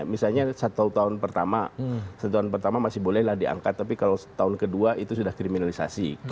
misalnya satu tahun pertama satu tahun pertama masih bolehlah diangkat tapi kalau tahun kedua itu sudah kriminalisasi